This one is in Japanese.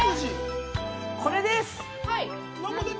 これです。